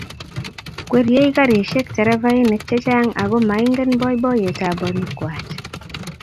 ikwerie karishek terevainik chechang ago maingen boiboiyetab borik kwai